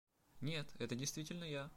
Нет, это действительно я.